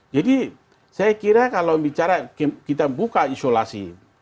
jadi saya kira kalau bicara kita buka isolasi